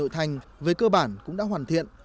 thành về cơ bản cũng đã hoàn thiện